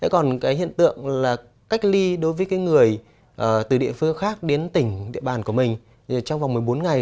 còn cái hiện tượng là cách ly đối với cái người từ địa phương khác đến tỉnh địa bàn của mình trong vòng một mươi bốn ngày